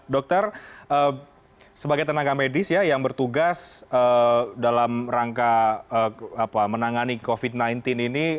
dokter sebagai tenaga medis ya yang bertugas dalam rangka menangani covid sembilan belas ini